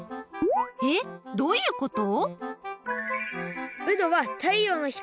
えっ？どういうこと？